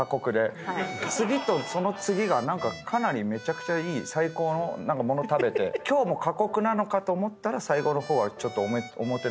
次とその次が何かかなりめちゃくちゃいい最高のもの食べて今日も過酷なのかと思ったら最後の方はちょっと。